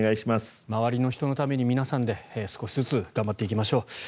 周りの人のために皆さんで少しずつ頑張っていきましょう。